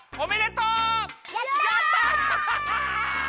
やった！